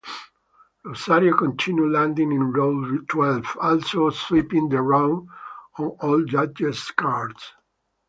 Rosario continued landing in round twelve, also sweeping the round on all judges' cards.